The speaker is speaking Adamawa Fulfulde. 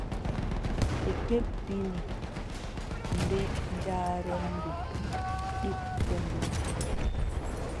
Ɓe kebbini nde njaareendi ɗiggundi.